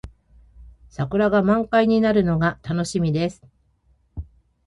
桜が満開になるのが楽しみです。